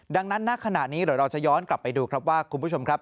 ดังนั้นณขณะนี้เดี๋ยวเราจะย้อนกลับไปดูครับว่าคุณผู้ชมครับ